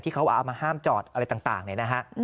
เขาเอามาห้ามจอดอะไรต่างเนี่ยนะฮะ